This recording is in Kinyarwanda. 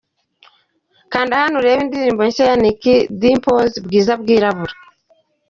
Kanda Hano urebe indirimbo nshya ya Nick Dimpoz, ‘Bwiza Bwirabura’.